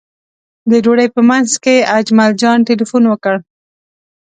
د ډوډۍ په منځ کې اجمل جان تیلفون وکړ.